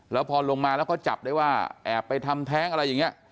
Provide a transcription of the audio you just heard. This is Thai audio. แล้วพอลงมาแล้วก็จับได้ว่าแอบไปทำแท้งอะไรอย่างนี้